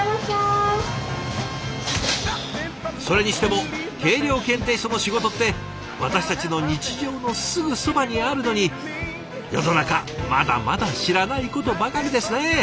それにしても計量検定所の仕事って私たちの日常のすぐそばにあるのに世の中まだまだ知らないことばかりですね。